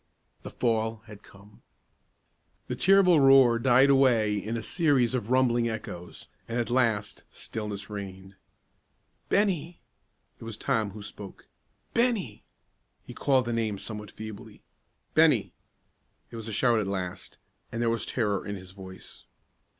The fall had come. The terrible roar died away in a series of rumbling echoes, and, at last, stillness reigned. "Bennie!" It was Tom who spoke. "Bennie!" He called the name somewhat feebly. "Bennie!" It was a shout at last, and there was terror in his voice.